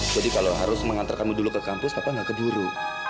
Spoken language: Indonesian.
jadi kalau harus mengantar kamu dulu ke kampus papa gak kejuru